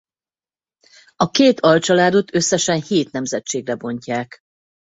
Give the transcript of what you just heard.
A két alcsaládot összesen hét nemzetségre bontják.